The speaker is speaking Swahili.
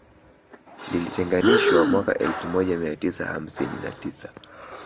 Lilitenganishwa mwaka elfu moja mia tisa hamsini na tisa